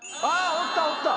おったおった！